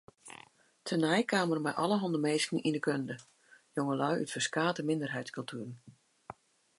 Tenei kaam er mei alderhanne minsken yn ’e kunde, jongelju út ferskate minderheidskultueren.